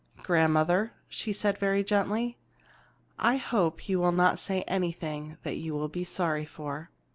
"Grandmother," she said very gently, "I hope you will not say anything that you will be sorry for."